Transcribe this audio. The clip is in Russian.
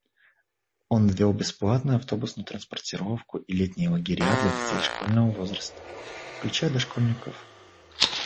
Он ввел бесплатную автобусную транспортировку и летние лагеря для детей школьного возраста, включая дошкольников.